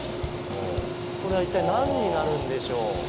これは一体なんになるんでしょう。